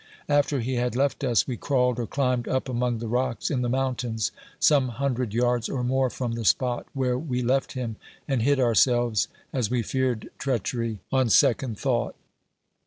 After he had eft us, we crawled or climbed up among the rocks in the mountains, some hundred yards or more from the spot where we left him, and hid ourselves, as we feared treach ery, cn £cca;d thought.